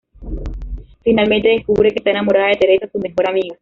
Finalmente, descubre que está enamorada de Teresa, su mejor amiga.